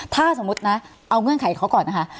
ถ้าสมมุตินะเอาเงื่อนไขเขาก่อนนะคะ